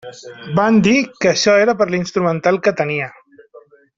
Van dir que això era per l'instrumental que tenia.